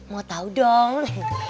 mau tahu dong